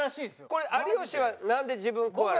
これ有吉はなんで自分コアラに。